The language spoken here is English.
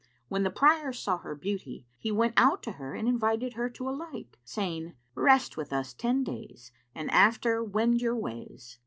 [FN#368] When the Prior saw her beauty, he went out to her and invited her to alight, saying, "Rest with us ten days and after wend your ways."